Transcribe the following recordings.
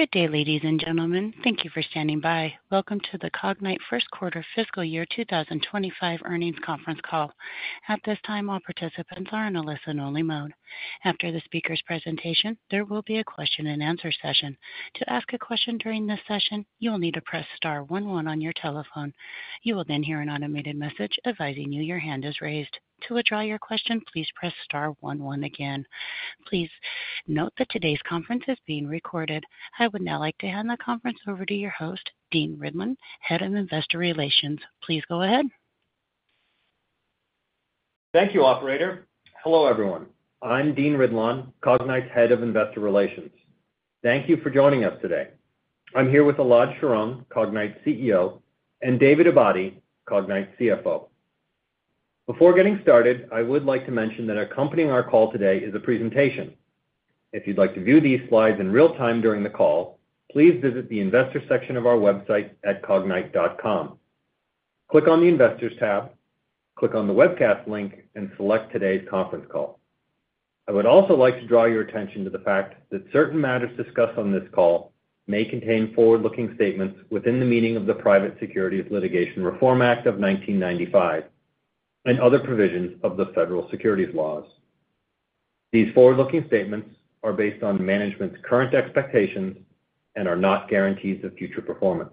Good day, ladies and gentlemen. Thank you for standing by. Welcome to the Cognyte first-quarter fiscal year 2025 earnings conference call. At this time, all participants are in a listen-only mode. After the speaker's presentation, there will be a question-and-answer session. To ask a question during this session, you will need to press star one one on your telephone. You will then hear an automated message advising you that your hand is raised. To withdraw your question, please press star one one again. Please note that today's conference is being recorded. I would now like to hand the conference over to your host, Dean Ridlon, Head of Investor Relations. Please go ahead. Thank you, operator. Hello, everyone. I'm Dean Ridlon, Cognyte's Head of Investor Relations. Thank you for joining us today. I'm here with Elad Sharon, Cognyte CEO, and David Abadi, Cognyte CFO. Before getting started, I would like to mention that accompanying our call today is a presentation. If you'd like to view these slides in real time during the call, please visit the investor section of our website at cognyte.com. Click on the investors tab, click on the webcast link, and select today's conference call. I would also like to draw your attention to the fact that certain matters discussed on this call may contain forward-looking statements within the meaning of the Private Securities Litigation Reform Act of 1995 and other provisions of the federal securities laws. These forward-looking statements are based on management's current expectations and are not guarantees of future performance.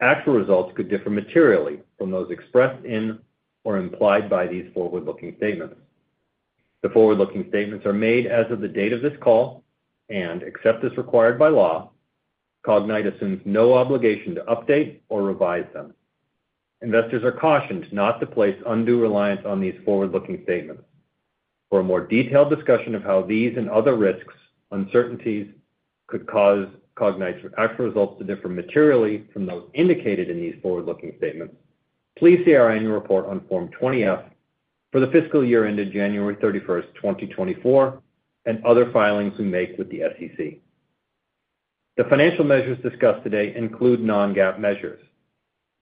Actual results could differ materially from those expressed in or implied by these forward-looking statements. The forward-looking statements are made as of the date of this call and, except as required by law, Cognyte assumes no obligation to update or revise them. Investors are cautioned not to place undue reliance on these forward-looking statements. For a more detailed discussion of how these and other risks, uncertainties, could cause Cognyte's actual results to differ materially from those indicated in these forward-looking statements, please see our annual report on Form 20-F for the fiscal year ended January 31st, 2024, and other filings we make with the SEC. The financial measures discussed today include non-GAAP measures.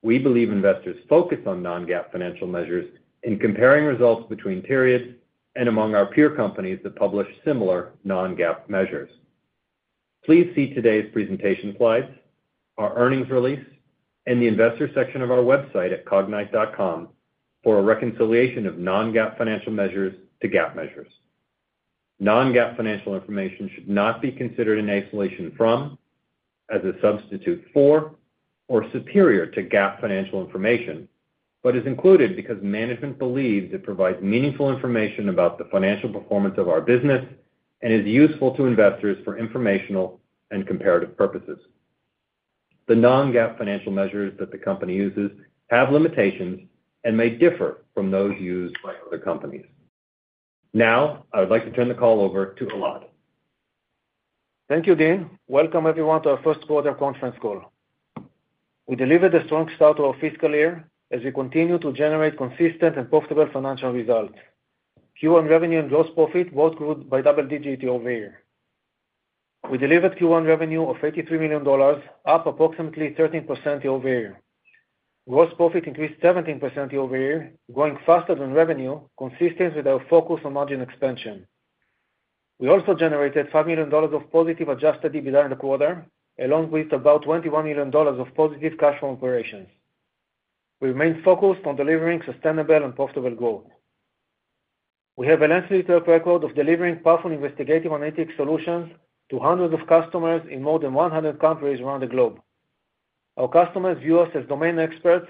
We believe investors focus on non-GAAP financial measures in comparing results between periods and among our peer companies that publish similar non-GAAP measures. Please see today's presentation slides, our earnings release, and the investor section of our website at Cognyte.com for a reconciliation of non-GAAP financial measures to GAAP measures. Non-GAAP financial information should not be considered in isolation from, as a substitute for, or superior to GAAP financial information, but is included because management believes it provides meaningful information about the financial performance of our business and is useful to investors for informational and comparative purposes. The non-GAAP financial measures that the company uses have limitations and may differ from those used by other companies. Now, I would like to turn the call over to Elad. Thank you, Dean. Welcome, everyone, to our first quarter conference call. We delivered a strong start to our fiscal year as we continue to generate consistent and profitable financial results. Q1 revenue and gross profit both grew by double digits year-over-year. We delivered Q1 revenue of $83 million, up approximately 13% year-over-year. Gross profit increased 17% year-over-year, growing faster than revenue, consistent with our focus on margin expansion. We also generated $5 million of positive Adjusted EBITDA in the quarter, along with about $21 million of positive cash flow from operations. We remained focused on delivering sustainable and profitable growth. We have a lengthy track record of delivering powerful investigative analytics solutions to hundreds of customers in more than 100 countries around the globe. Our customers view us as domain experts,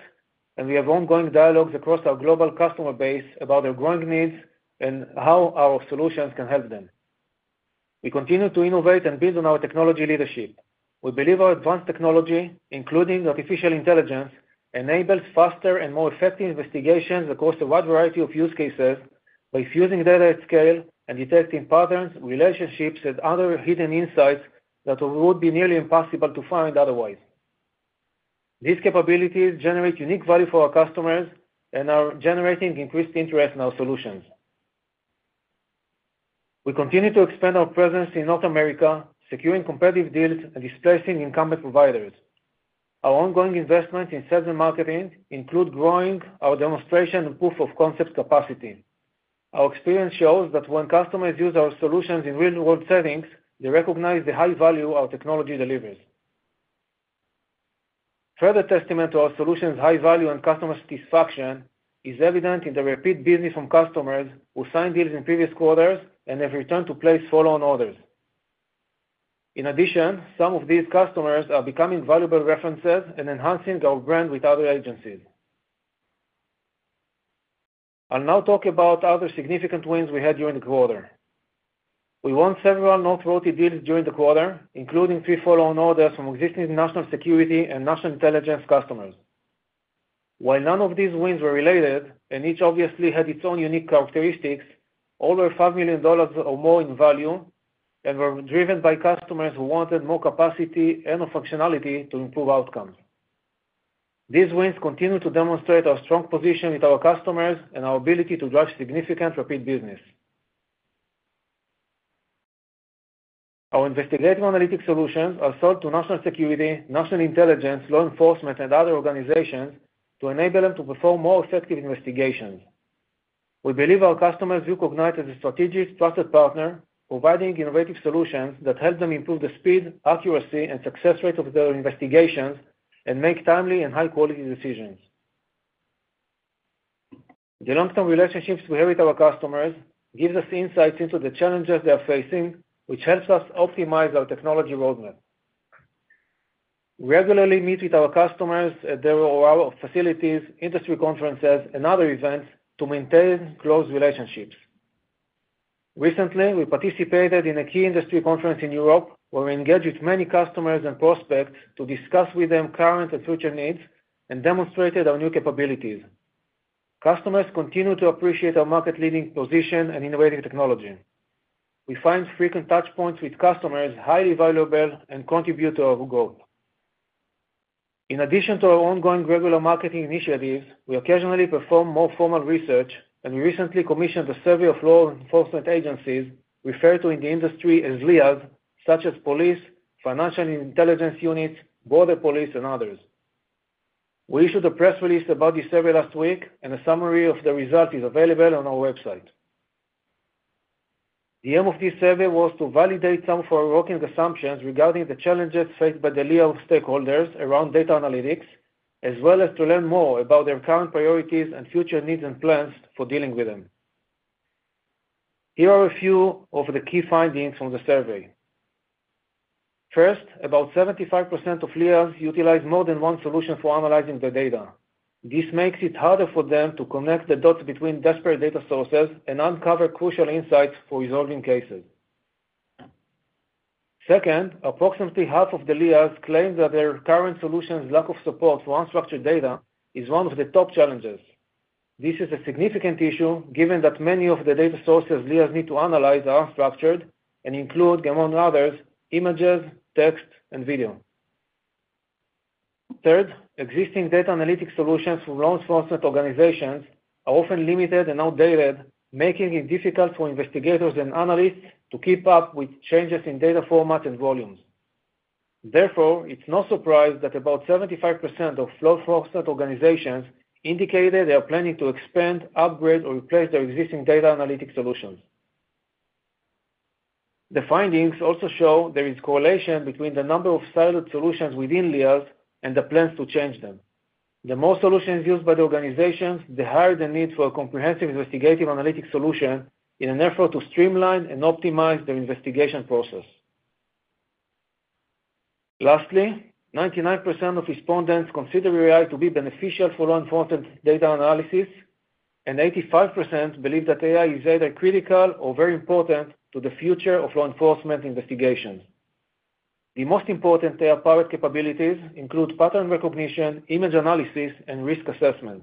and we have ongoing dialogues across our global customer base about our growing needs and how our solutions can help them. We continue to innovate and build on our technology leadership. We believe our advanced technology, including artificial intelligence, enables faster and more effective investigations across a wide variety of use cases by fusing data at scale and detecting patterns, relationships, and other hidden insights that would be nearly impossible to find otherwise. These capabilities generate unique value for our customers and are generating increased interest in our solutions. We continue to expand our presence in North America, securing competitive deals and displacing incumbent providers. Our ongoing investments in sales and marketing include growing our demonstration and proof-of-concept capacity. Our experience shows that when customers use our solutions in real-world settings, they recognize the high value our technology delivers. Further testament to our solution's high value and customer satisfaction is evident in the repeat business from customers who signed deals in previous quarters and have returned to place follow-on orders. In addition, some of these customers are becoming valuable references and enhancing our brand with other agencies. I'll now talk about other significant wins we had during the quarter. We won several no deals during the quarter, including three follow-on orders from existing national security and national intelligence customers. While none of these wins were related, and each obviously had its own unique characteristics, all were $5 million or more in value and were driven by customers who wanted more capacity and/or functionality to improve outcomes. These wins continue to demonstrate our strong position with our customers and our ability to drive significant repeat business. Our investigative analytics solutions are sold to national security, national intelligence, law enforcement, and other organizations to enable them to perform more effective investigations. We believe our customers view Cognyte as a strategic, trusted partner, providing innovative solutions that help them improve the speed, accuracy, and success rate of their investigations and make timely and high-quality decisions. The long-term relationships we have with our customers give us insights into the challenges they are facing, which helps us optimize our technology roadmap. We regularly meet with our customers at their facilities, industry conferences, and other events to maintain close relationships. Recently, we participated in a key industry conference in Europe where we engaged with many customers and prospects to discuss with them current and future needs and demonstrated our new capabilities. Customers continue to appreciate our market-leading position and innovative technology. We find frequent touchpoints with customers highly valuable and contribute to our growth. In addition to our ongoing regular marketing initiatives, we occasionally perform more formal research, and we recently commissioned a survey of law enforcement agencies referred to in the industry as LEAs, such as police, financial intelligence units, border police, and others. We issued a press release about this survey last week, and a summary of the results is available on our website. The aim of this survey was to validate some of our working assumptions regarding the challenges faced by the LEAs stakeholders around data analytics, as well as to learn more about their current priorities and future needs and plans for dealing with them. Here are a few of the key findings from the survey. First, about 75% of LEAs utilize more than one solution for analyzing the data. This makes it harder for them to connect the dots between disparate data sources and uncover crucial insights for resolving cases. Second, approximately half of the LEAs claim that their current solution's lack of support for unstructured data is one of the top challenges. This is a significant issue given that many of the data sources LEAs need to analyze are unstructured and include, among others, images, text, and video. Third, existing data analytic solutions from law enforcement organizations are often limited and outdated, making it difficult for investigators and analysts to keep up with changes in data formats and volumes. Therefore, it's no surprise that about 75% of law enforcement organizations indicated they are planning to expand, upgrade, or replace their existing data analytic solutions. The findings also show there is correlation between the number of siloed solutions within LEAs and the plans to change them. The more solutions used by the organizations, the higher the need for a comprehensive investigative analytics solution in an effort to streamline and optimize their investigation process. Lastly, 99% of respondents consider AI to be beneficial for law enforcement data analysis, and 85% believe that AI is either critical or very important to the future of law enforcement investigations. The most important AI-powered capabilities include pattern recognition, image analysis, and risk assessment.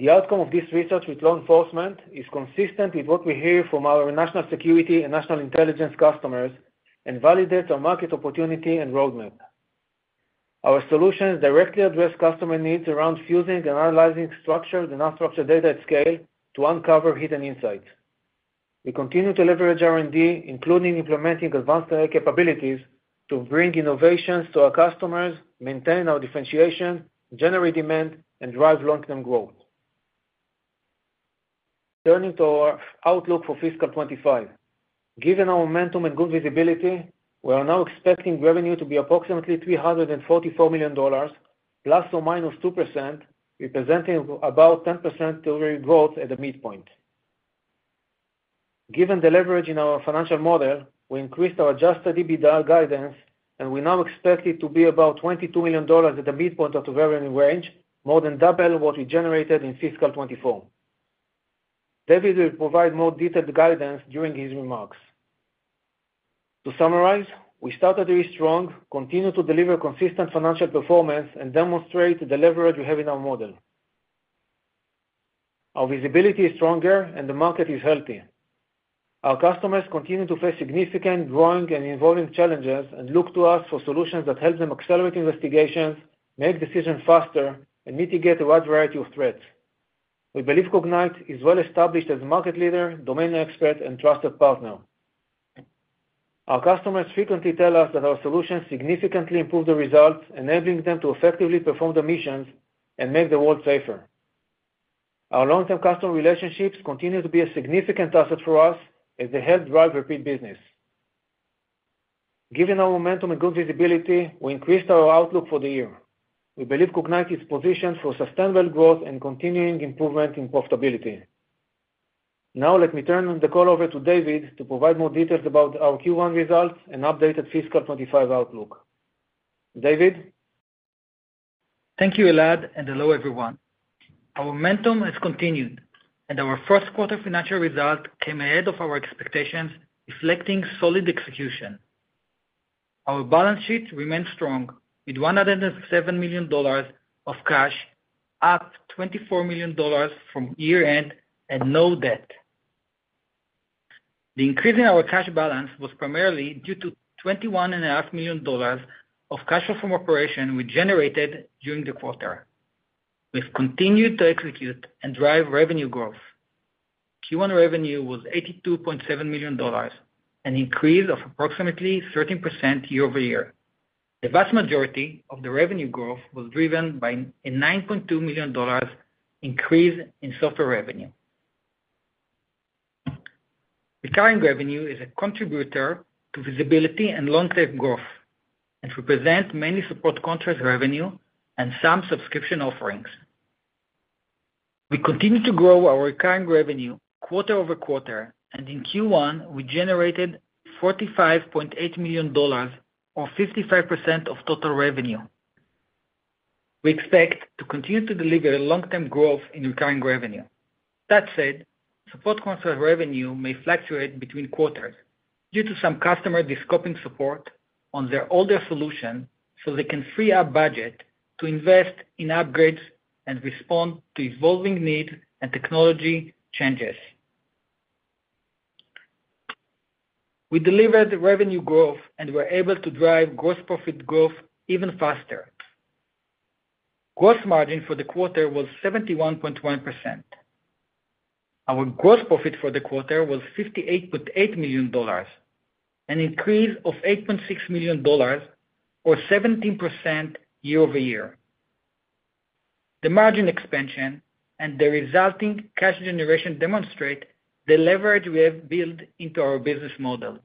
The outcome of this research with law enforcement is consistent with what we hear from our national security and national intelligence customers and validates our market opportunity and roadmap. Our solutions directly address customer needs around fusing and analyzing structured and unstructured data at scale to uncover hidden insights. We continue to leverage R&D, including implementing advanced AI capabilities to bring innovations to our customers, maintain our differentiation, generate demand, and drive long-term growth. Turning to our outlook for fiscal 2025, given our momentum and good visibility, we are now expecting revenue to be approximately $344 million, ±2%, representing about 10% growth at the midpoint. Given the leverage in our financial model, we increased our Adjusted EBITDA guidance, and we now expect it to be about $22 million at the midpoint of the revenue range, more than double what we generated in fiscal 2024. David will provide more detailed guidance during his remarks. To summarize, we started really strong, continue to deliver consistent financial performance, and demonstrate the leverage we have in our model. Our visibility is stronger, and the market is healthy. Our customers continue to face significant growing and evolving challenges and look to us for solutions that help them accelerate investigations, make decisions faster, and mitigate a wide variety of threats. We believe Cognyte is well established as a market leader, domain expert, and trusted partner. Our customers frequently tell us that our solutions significantly improve the results, enabling them to effectively perform their missions and make the world safer. Our long-term customer relationships continue to be a significant asset for us as they help drive repeat business. Given our momentum and good visibility, we increased our outlook for the year. We believe Cognyte is positioned for sustainable growth and continuing improvement in profitability. Now, let me turn the call over to David to provide more details about our Q1 results and updated fiscal 2025 outlook. David. Thank you, Elad, and hello, everyone. Our momentum has continued, and our first-quarter financial result came ahead of our expectations, reflecting solid execution. Our balance sheet remains strong with $107 million of cash, up $24 million from year-end, and no debt. The increase in our cash balance was primarily due to $21.5 million of cash flow from operations we generated during the quarter. We have continued to execute and drive revenue growth. Q1 revenue was $82.7 million, an increase of approximately 13% year-over-year. The vast majority of the revenue growth was driven by a $9.2 million increase in software revenue. Recurring revenue is a contributor to visibility and long-term growth and represents mainly support contracts revenue and some subscription offerings. We continue to grow our recurring revenue quarter-over-quarter, and in Q1, we generated $45.8 million, or 55% of total revenue. We expect to continue to deliver long-term growth in recurring revenue. That said, support contracts revenue may fluctuate between quarters due to some customers discussing support on their older solutions, so they can free up budget to invest in upgrades and respond to evolving needs and technology changes. We delivered revenue growth and were able to drive gross profit growth even faster. Gross margin for the quarter was 71.1%. Our gross profit for the quarter was $58.8 million, an increase of $8.6 million, or 17% year-over-year. The margin expansion and the resulting cash generation demonstrate the leverage we have built into our business model.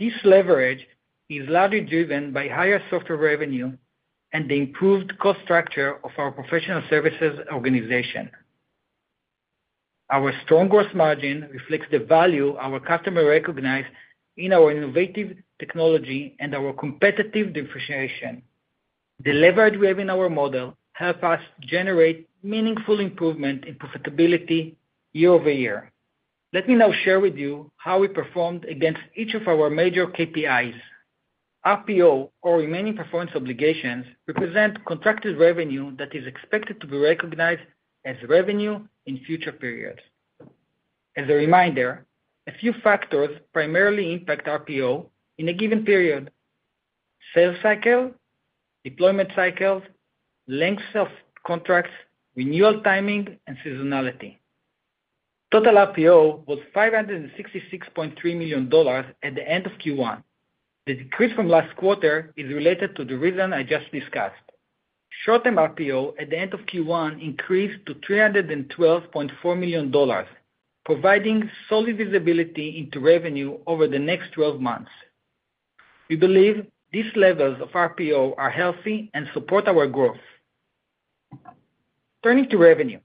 This leverage is largely driven by higher software revenue and the improved cost structure of our professional services organization. Our strong gross margin reflects the value our customers recognize in our innovative technology and our competitive differentiation. The leverage we have in our model helps us generate meaningful improvement in profitability year-over-year. Let me now share with you how we performed against each of our major KPIs. RPO, or remaining performance obligations, represent contracted revenue that is expected to be recognized as revenue in future periods. As a reminder, a few factors primarily impact RPO in a given period: sales cycle, deployment cycles, length of contracts, renewal timing, and seasonality. Total RPO was $566.3 million at the end of Q1. The decrease from last quarter is related to the reason I just discussed. Short-term RPO at the end of Q1 increased to $312.4 million, providing solid visibility into revenue over the next 12 months. We believe these levels of RPO are healthy and support our growth. Turning to revenue,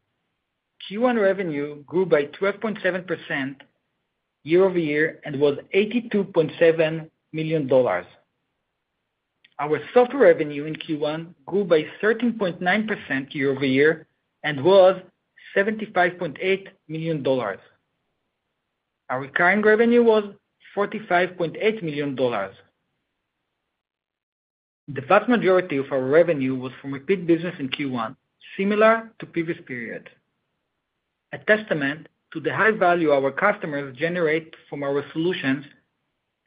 Q1 revenue grew by 12.7% year-over-year and was $82.7 million. Our software revenue in Q1 grew by 13.9% year-over-year and was $75.8 million. Our recurring revenue was $45.8 million. The vast majority of our revenue was from repeat business in Q1, similar to previous periods. A testament to the high value our customers generate from our solutions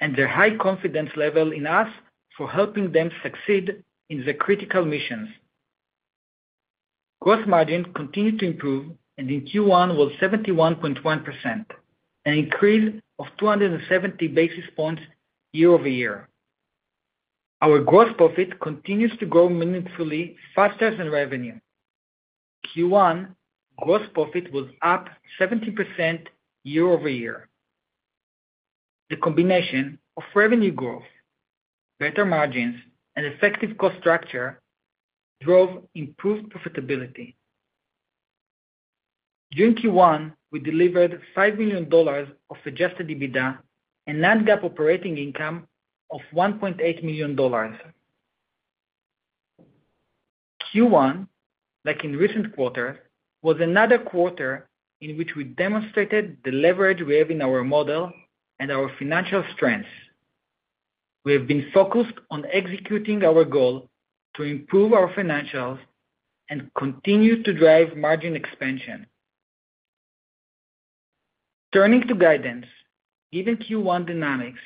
and their high confidence level in us for helping them succeed in their critical missions. Gross margin continued to improve, and in Q1 was 71.1%, an increase of 270 basis points year-over-year. Our gross profit continues to grow meaningfully faster than revenue. Q1 gross profit was up 17% year-over-year. The combination of revenue growth, better margins, and effective cost structure drove improved profitability. During Q1, we delivered $5 million of Adjusted EBITDA and net GAAP operating income of $1.8 million. Q1, like in recent quarters, was another quarter in which we demonstrated the leverage we have in our model and our financial strengths. We have been focused on executing our goal to improve our financials and continue to drive margin expansion. Turning to guidance, given Q1 dynamics,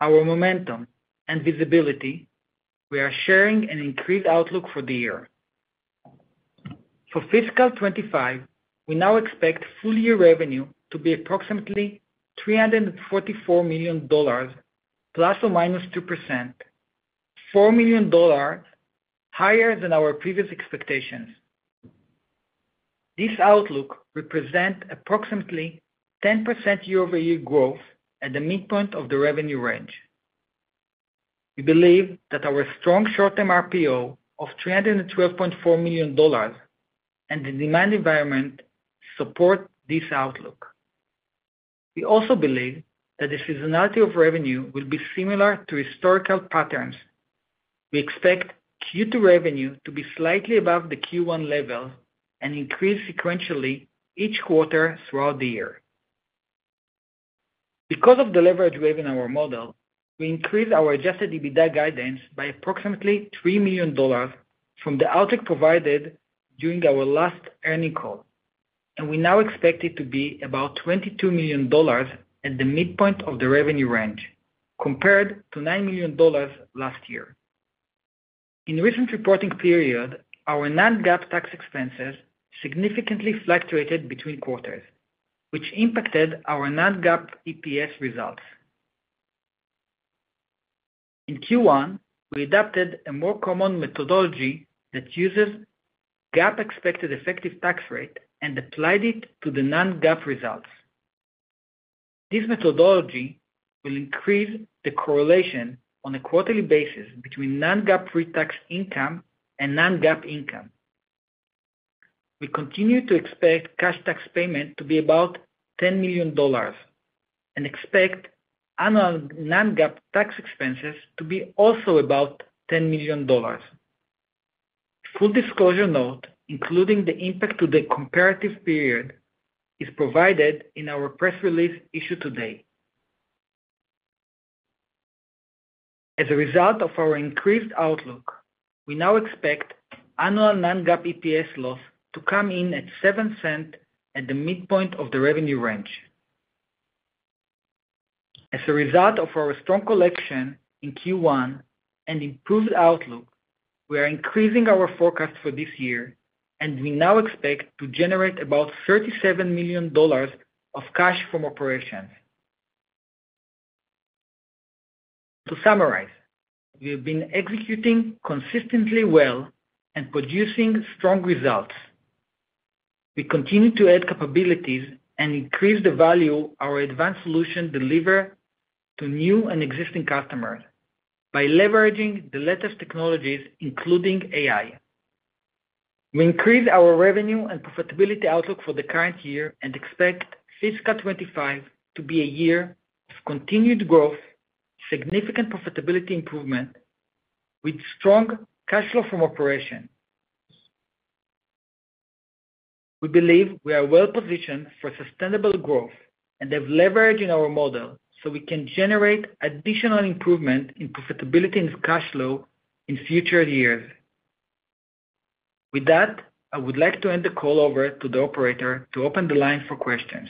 our momentum, and visibility, we are sharing an increased outlook for the year. For fiscal 2025, we now expect full-year revenue to be approximately $344 million ±2%, $4 million higher than our previous expectations. This outlook represents approximately 10% year-over-year growth at the midpoint of the revenue range. We believe that our strong short-term RPO of $312.4 million and the demand environment support this outlook. We also believe that the seasonality of revenue will be similar to historical patterns. We expect Q2 revenue to be slightly above the Q1 levels and increase sequentially each quarter throughout the year. Because of the leverage we have in our model, we increased our Adjusted EBITDA guidance by approximately $3 million from the outlook provided during our last earnings call, and we now expect it to be about $22 million at the midpoint of the revenue range, compared to $9 million last year. In recent reporting period, our net GAAP tax expenses significantly fluctuated between quarters, which impacted our net GAAP EPS results. In Q1, we adopted a more common methodology that uses GAAP expected effective tax rate and applied it to the net GAAP results. This methodology will increase the correlation on a quarterly basis between net GAAP pre-tax income and net GAAP income. We continue to expect cash tax payment to be about $10 million and expect annual net GAAP tax expenses to be also about $10 million. A full disclosure note, including the impact to the comparative period, is provided in our press release issued today. As a result of our increased outlook, we now expect annual net GAAP EPS loss to come in at 7% at the midpoint of the revenue range. As a result of our strong collection in Q1 and improved outlook, we are increasing our forecast for this year, and we now expect to generate about $37 million of cash from operations. To summarize, we have been executing consistently well and producing strong results. We continue to add capabilities and increase the value our advanced solutions deliver to new and existing customers by leveraging the latest technologies, including AI. We increased our revenue and profitability outlook for the current year and expect fiscal 2025 to be a year of continued growth, significant profitability improvement, with strong cash flow from operations. We believe we are well positioned for sustainable growth and have leverage in our model so we can generate additional improvement in profitability and cash flow in future years. With that, I would like to end the call over to the operator to open the line for questions.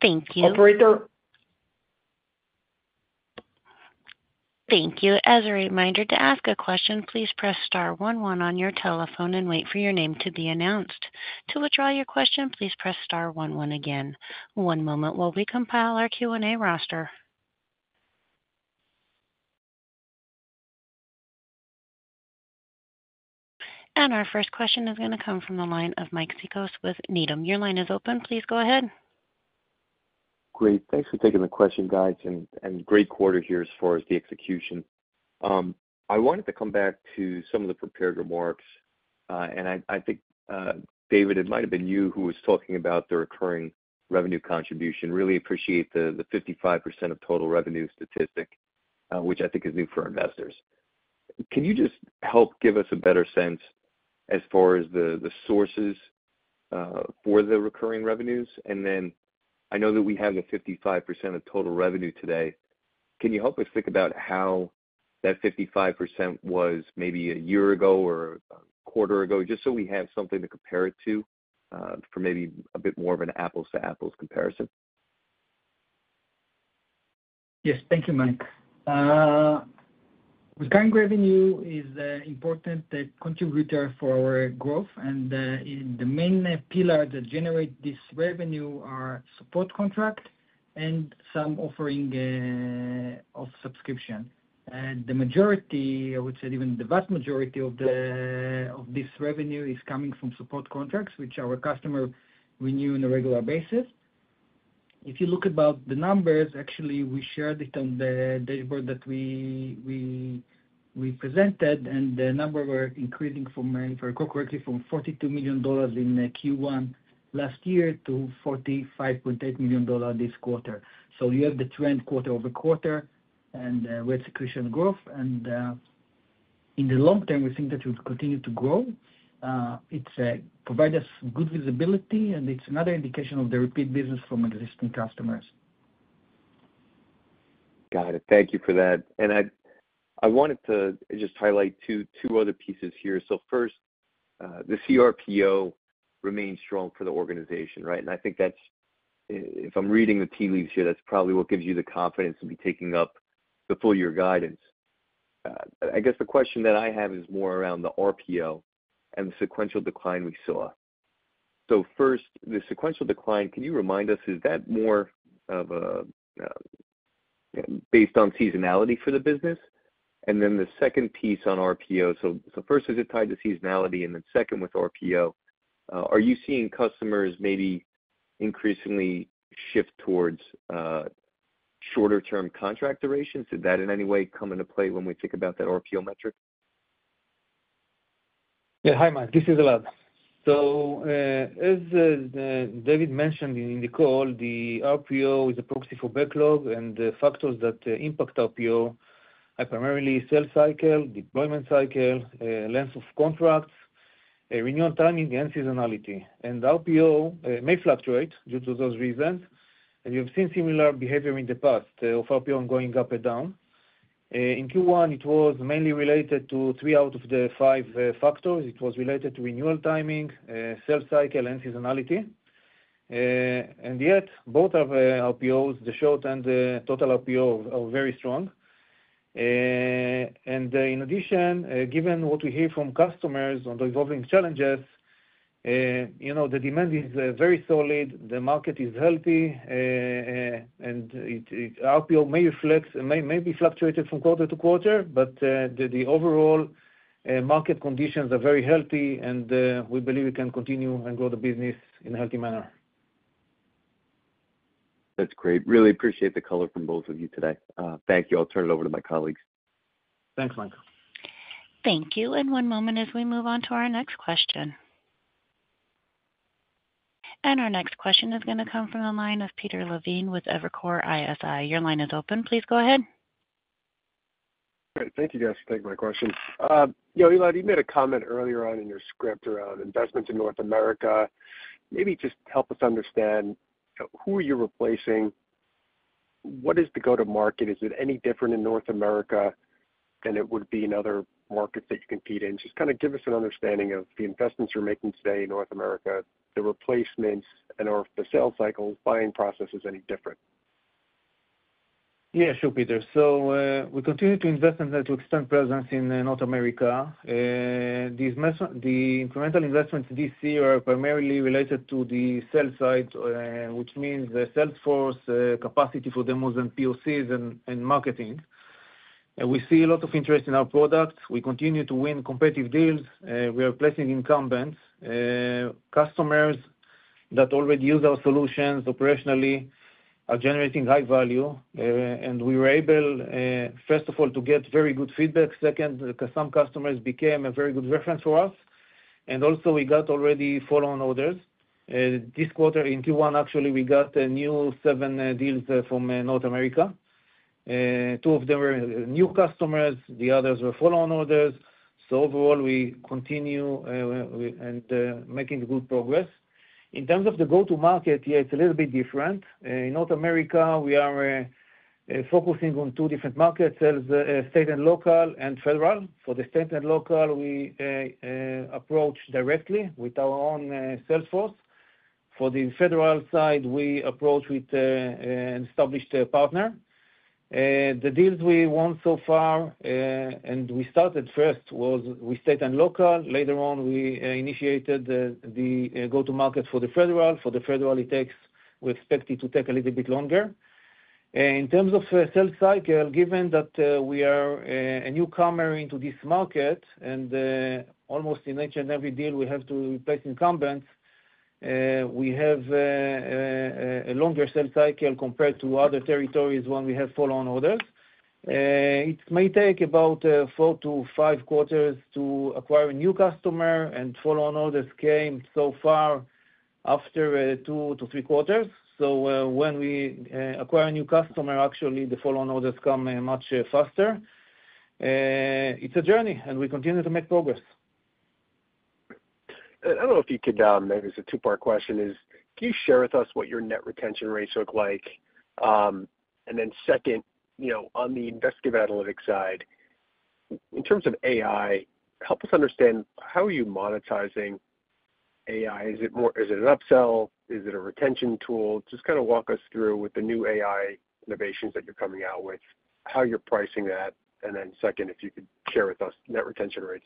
Thank you. Operator. Thank you. As a reminder, to ask a question, please press star one one on your telephone and wait for your name to be announced. To withdraw your question, please press star one one again. One moment while we compile our Q&A roster. Our first question is going to come from the line of Mike Cikos with Needham. Your line is open. Please go ahead. Great. Thanks for taking the question, guys, and great quarter here as far as the execution. I wanted to come back to some of the prepared remarks, and I think, David, it might have been you who was talking about the recurring revenue contribution. Really appreciate the 55% of total revenue statistic, which I think is new for investors. Can you just help give us a better sense as far as the sources for the recurring revenues? And then I know that we have the 55% of total revenue today. Can you help us think about how that 55% was maybe a year ago or a quarter ago, just so we have something to compare it to for maybe a bit more of an apples-to-apples comparison? Yes. Thank you, Mike. Recurring revenue is an important contributor for our growth, and the main pillars that generate this revenue are support contract and some offering of subscription. The majority, I would say, even the vast majority of this revenue is coming from support contracts, which our customers renew on a regular basis. If you look at the numbers, actually, we shared it on the dashboard that we presented, and the numbers were increasing from, if I recall correctly, from $42 million in Q1 last year to $45.8 million this quarter. So you have the trend quarter-over-quarter and we had secular growth, and in the long term, we think that we'll continue to grow. It provides us good visibility, and it's another indication of the repeat business from existing customers. Got it. Thank you for that. I wanted to just highlight two other pieces here. So first, the CRPO remains strong for the organization, right? And I think that's, if I'm reading the tea leaves here, that's probably what gives you the confidence to be taking up the full year guidance. I guess the question that I have is more around the RPO and the sequential decline we saw. So first, the sequential decline, can you remind us, is that more based on seasonality for the business? And then the second piece on RPO, so first is it tied to seasonality, and then second with RPO, are you seeing customers maybe increasingly shift towards shorter-term contract durations? Did that in any way come into play when we think about that RPO metric? Yeah. Hi, Mike. This is Elad. So as David mentioned in the call, the RPO is a proxy for backlog, and the factors that impact RPO are primarily sales cycle, deployment cycle, length of contracts, renewal timing, and seasonality. RPO may fluctuate due to those reasons, and we have seen similar behavior in the past of RPO going up and down. In Q1, it was mainly related to three out of the five factors. It was related to renewal timing, sales cycle, and seasonality. And yet, both of our RPOs, the short and the total RPO, are very strong. In addition, given what we hear from customers on the evolving challenges, the demand is very solid, the market is healthy, and RPO may be fluctuated from quarter to quarter, but the overall market conditions are very healthy, and we believe we can continue and grow the business in a healthy manner. That's great. Really appreciate the color from both of you today. Thank you. I'll turn it over to my colleagues. Thanks, Mike. Thank you. One moment, as we move on to our next question. Our next question is going to come from the line of Peter Levine with Evercore ISI. Your line is open. Please go ahead. Great. Thank you, guys, for taking my questions. Elad, you made a comment earlier on in your script around investments in North America. Maybe just help us understand who you're replacing, what is the go-to-market? Is it any different in North America than it would be in other markets that you compete in? Just kind of give us an understanding of the investments you're making today in North America, the replacements, and/or the sales cycles, buying processes, any different? Yeah, sure, Peter. So we continue to invest and to extend presence in North America. The incremental investments this year are primarily related to the sales side, which means the sales force capacity for demos and POCs, and marketing. We see a lot of interest in our products. We continue to win competitive deals. We are placing incumbents. Customers that already use our solutions operationally are generating high value, and we were able, first of all, to get very good feedback. Second, some customers became a very good reference for us, and also, we got already follow-on orders. This quarter, in Q1, actually, we got new seven deals from North America. Two of them were new customers. The others were follow-on orders. So overall, we continue and are making good progress. In terms of the go-to-market, yeah, it's a little bit different. In North America, we are focusing on two different markets: sales, state, and local, and federal. For the state and local, we approach directly with our own sales force. For the federal side, we approach with an established partner. The deals we won so far, and we started first, was with state and local. Later on, we initiated the go-to-market for the federal. For the federal, it takes. We expect it to take a little bit longer. In terms of sales cycle, given that we are a newcomer into this market and almost in each and every deal, we have to replace incumbents, we have a longer sales cycle compared to other territories when we have follow-on orders. It may take about 4-5 quarters to acquire a new customer, and follow-on orders came so far after 2-3 quarters. When we acquire a new customer, actually, the follow-on orders come much faster. It's a journey, and we continue to make progress. I don't know if you can, this is a two-part question, can you share with us what your net retention rates look like? And then second, on the investigative analytics side, in terms of AI, help us understand how are you monetizing AI? Is it an upsell? Is it a retention tool? Just kind of walk us through with the new AI innovations that you're coming out with, how you're pricing that, and then second, if you could share with us net retention rates.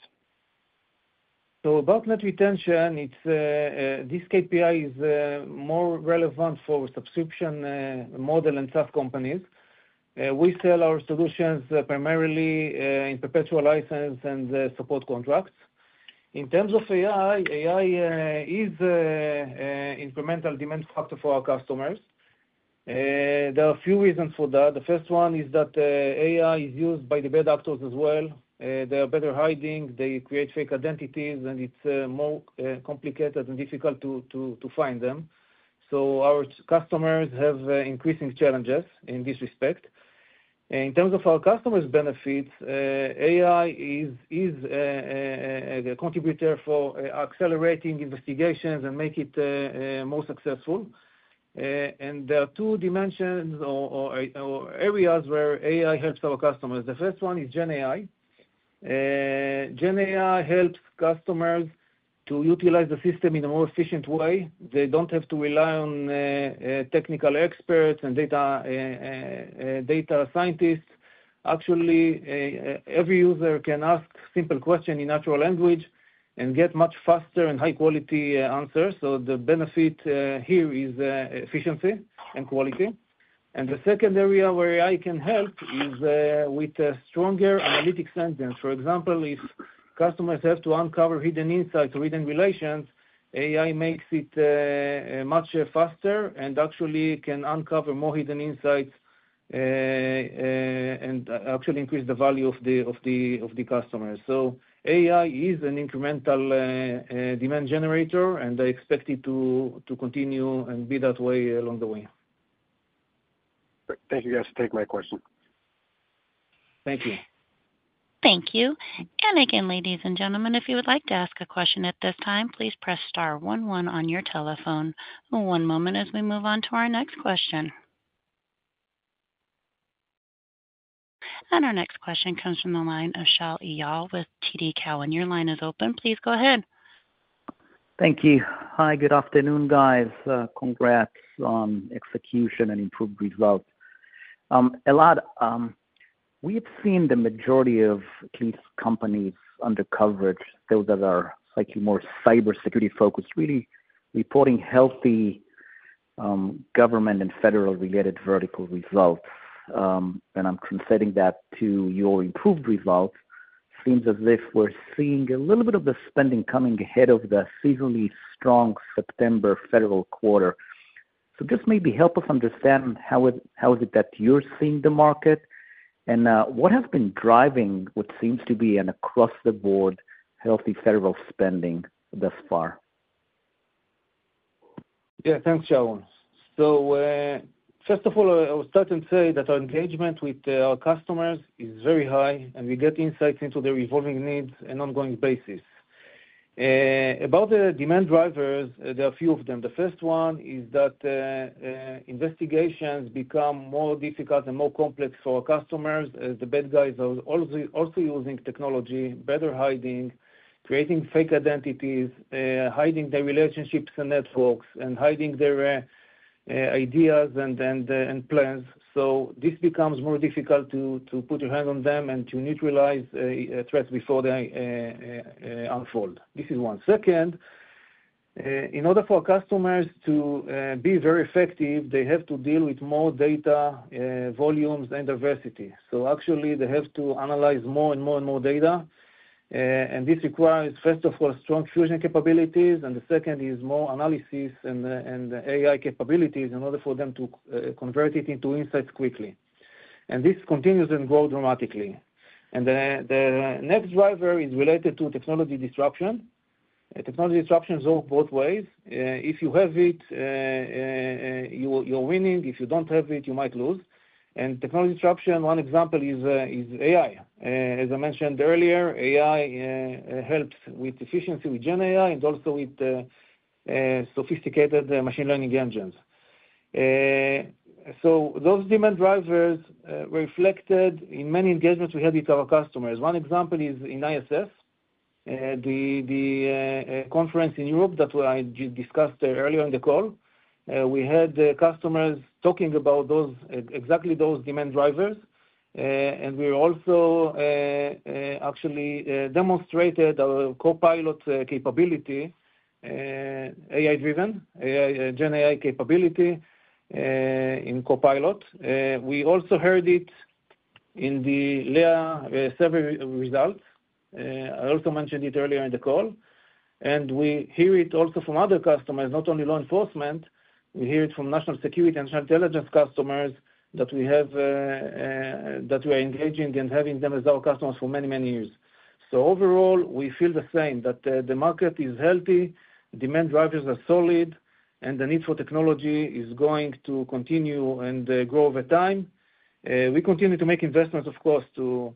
About net retention, this KPI is more relevant for subscription model and SaaS companies. We sell our solutions primarily in perpetual license and support contracts. In terms of AI, AI is an incremental demand factor for our customers. There are a few reasons for that. The first one is that AI is used by the bad actors as well. They are better hiding. They create fake identities, and it's more complicated and difficult to find them. So our customers have increasing challenges in this respect. In terms of our customers' benefits, AI is a contributor for accelerating investigations and making it more successful. There are two dimensions or areas where AI helps our customers. The first one is GenAI. GenAI helps customers to utilize the system in a more efficient way. They don't have to rely on technical experts and data scientists. Actually, every user can ask a simple question in natural language and get much faster and high-quality answers. The benefit here is efficiency and quality. The second area where AI can help is with stronger analytic sentence. For example, if customers have to uncover hidden insights or hidden relations, AI makes it much faster and actually can uncover more hidden insights and actually increase the value of the customers. AI is an incremental demand generator, and I expect it to continue and be that way along the way. Great. Thank you, guys. Take my question. Thank you. Thank you. And again, ladies and gentlemen, if you would like to ask a question at this time, please press star one one on your telephone. One moment as we move on to our next question. And our next question comes from the line of Shaul Eyal with TD Cowen. Your line is open. Please go ahead. Thank you. Hi, good afternoon, guys. Congrats on execution and improved results. Elad, we've seen the majority of at least companies under coverage, those that are slightly more cybersecurity-focused, really reporting healthy government and federal-related vertical results. I'm translating that to your improved results. Seems as if we're seeing a little bit of the spending coming ahead of the seasonally strong September federal quarter. Just maybe help us understand how is it that you're seeing the market, and what has been driving what seems to be an across-the-board healthy federal spending thus far? Yeah. Thanks, Shaul. So first of all, I would start and say that our engagement with our customers is very high, and we get insights into their evolving needs on an ongoing basis. About the demand drivers, there are a few of them. The first one is that investigations become more difficult and more complex for our customers as the bad guys are also using technology, better hiding, creating fake identities, hiding their relationships and networks, and hiding their ideas and plans. So this becomes more difficult to put your hand on them and to neutralize threats before they unfold. This is one. Second, in order for customers to be very effective, they have to deal with more data volumes and diversity. So actually, they have to analyze more and more and more data. This requires, first of all, strong fusion capabilities, and the second is more analysis and AI capabilities in order for them to convert it into insights quickly. This continues and grows dramatically. The next driver is related to technology disruption. Technology disruption is both ways. If you have it, you're winning. If you don't have it, you might lose. Technology disruption, one example is AI. As I mentioned earlier, AI helps with efficiency, with GenAI and also with sophisticated machine learning engines. So those demand drivers were reflected in many engagements we had with our customers. One example is in ISS, the conference in Europe that I just discussed earlier in the call. We had customers talking about exactly those demand drivers, and we also actually demonstrated our Copilot capability, AI-driven, GenAI capability in Copilot. We also heard it in the LEA survey results. I also mentioned it earlier in the call. And we hear it also from other customers, not only law enforcement. We hear it from national security and national intelligence customers that we are engaging and having them as our customers for many, many years. So overall, we feel the same that the market is healthy, demand drivers are solid, and the need for technology is going to continue and grow over time. We continue to make investments, of course, to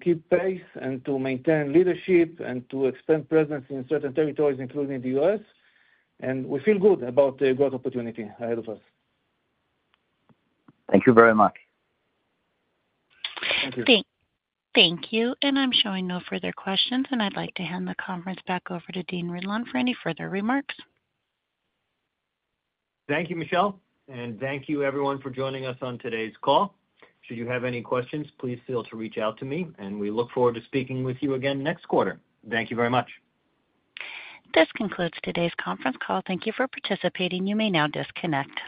keep pace and to maintain leadership and to extend presence in certain territories, including the U.S. And we feel good about the growth opportunity ahead of us. Thank you very much. Thank you. Thank you. I'm showing no further questions, and I'd like to hand the conference back over to Dean Ridlon for any further remarks. Thank you, Michelle, and thank you everyone for joining us on today's call. Should you have any questions, please feel free to reach out to me, and we look forward to speaking with you again next quarter. Thank you very much. This concludes today's conference call. Thank you for participating. You may now disconnect.